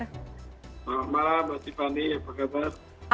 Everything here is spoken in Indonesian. selamat malam mbak tiffany apa kabar